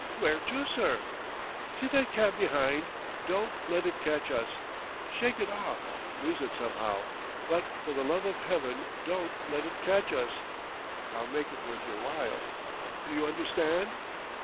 "W'ere to, sir?" "See that cab behind? Don't let it catch us shake it off, lose it somehow, but for the love of Heaven don't let it catch us! I'll make it worth your while. Do you understand?"